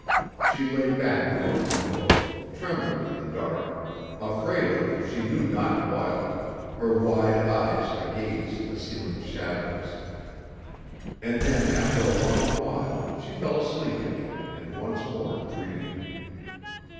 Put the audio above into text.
She lay back among her pillows, trembling in the dark, afraid of she knew not what, her wide eyes agaze at the ceiling's shadows. And then after a long while she fell asleep again and once more dreamed.